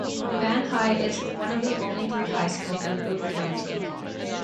Van High is one of only three high schools in Boone County.